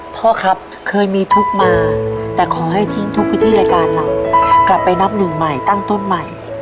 พ่อครับเคยมีทุกข์มาแต่ขอให้ทิ้งทุกวิธีรายการเรากลับไปนับหนึ่งใหม่ตั้งต้นใหม่